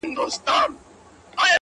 o د زړه بوټى مي دی شناخته د قبرونو؛